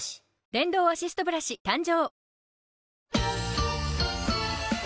電動アシストブラシ誕生！